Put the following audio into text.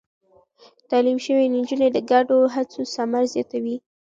تعليم شوې نجونې د ګډو هڅو ثمر زياتوي.